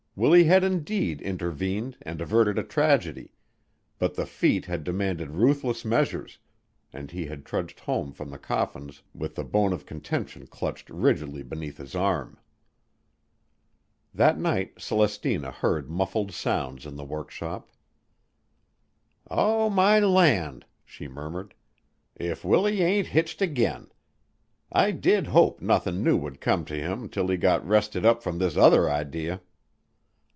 Willie had indeed intervened and averted a tragedy, but the feat had demanded ruthless measures, and he had trudged home from the Coffins with the bone of contention clutched rigidly beneath his arm. That night Celestina heard muffled sounds in the workshop. "Oh, my land!" she murmured. "If Willie ain't hitched again! I did hope nothin' new would come to him 'til he got rested up from this other idee."